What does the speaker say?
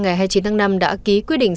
ngày hai mươi chín tháng năm đã ký quyết định